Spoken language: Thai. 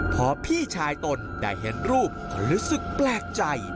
พอพี่ชายตนได้เห็นรูปก็รู้สึกแปลกใจ